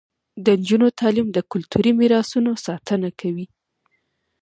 د نجونو تعلیم د کلتوري میراثونو ساتنه کوي.